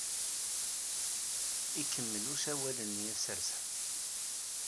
Ikemmel usawal-nni asserser.